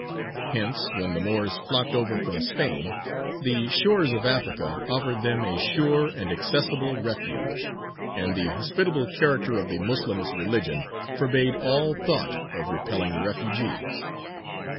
Hence, when the Moors flocked over from Spain, the shores of Africa offered them a sure and accessible refuge, and the hospitable character of the Moslem's religion forbade all thought of repelling the refugees.